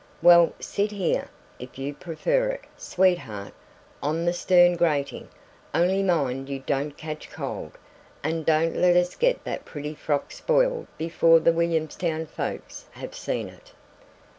Well, sit here, if you prefer it, sweetheart" on the stern grating "only mind you don't catch cold. And don't let us get that pretty frock spoiled before the Williamstown folks have seen it."